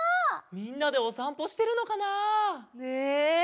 みんなでおさんぽしてるのかな？ね！